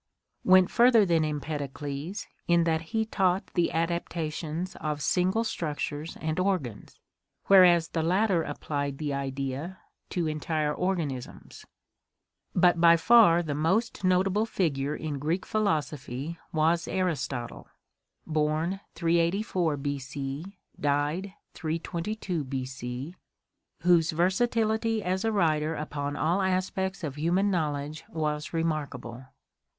went further than Empedocles in that he taught the adaptations of single structures and organs, whereas the latter applied the idea to entire organisms. But by far the most notable figure in Greek philosophy was Aristotle (384 322 B.C.), whose versatility as a writer upon all aspects of human knowledge was remarkable.